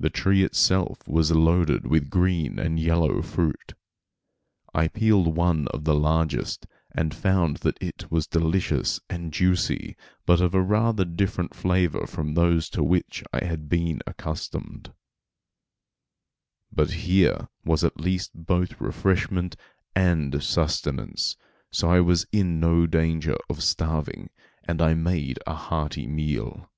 The tree itself was loaded with green and yellow fruit. I peeled one of the largest, and found that it was delicious and juicy, but of a rather different flavor from those to which I had been accustomed. But here was at least both refreshment and sustenance, so I was in no danger of starving, and I made a hearty meal.